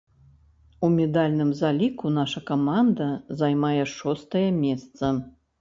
У медальным заліку наша каманда займае шостае месца.